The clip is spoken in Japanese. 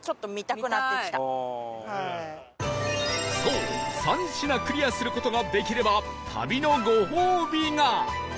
そう３品クリアする事ができれば旅のご褒美が